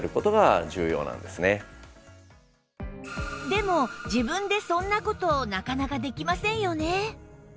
でも自分でそんな事なかなかできませんよね